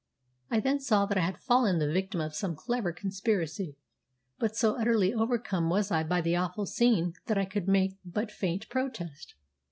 I then saw that I had fallen the victim of some clever conspiracy; but so utterly overcome was I by the awful scene that I could make but faint protest.